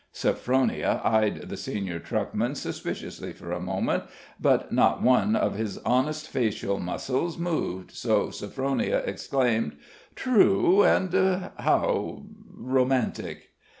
Sophronia eyed the senior truckman suspiciously for a moment, but not one of his honest facial muscles moved, so Sophronia exclaimed: "True. And how romantic!"